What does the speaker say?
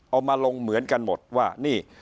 เอามาลงเหมือนกันหมดว่านี่